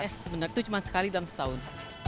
yes benar itu cuma sekali dalam setahun